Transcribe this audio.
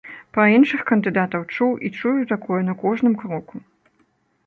Пра іншых кандыдатаў чуў і чую такое на кожным кроку.